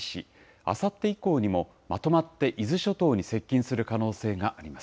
あさって以降にも、まとまって伊豆諸島に接近する可能性がありま